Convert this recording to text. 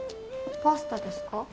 パスタですか？